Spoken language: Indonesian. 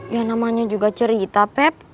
ya namanya juga cerita pep